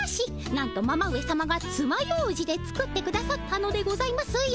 なんとママ上さまがつまようじで作ってくださったのでございますよっ。